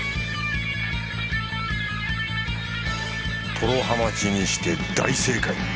トロハマチにして大正解！